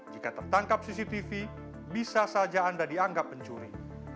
jika tertangkap cctv bisa saja anda dianggap pencuri